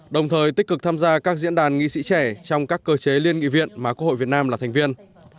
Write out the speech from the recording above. đồng thời tích cực tham gia các diễn đàn nghị sĩ trẻ trong các cơ chế liên nghị viện mà quốc hội việt nam là thành viên